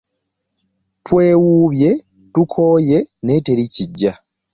Twewuubye tukooye naye teri kijja.